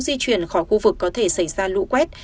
di chuyển khỏi khu vực có thể xảy ra lũ quét